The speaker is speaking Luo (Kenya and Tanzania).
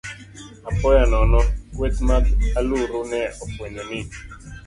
Apoya nono, kweth mag aluru ne ofwenyo ni